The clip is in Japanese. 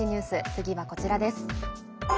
次はこちらです。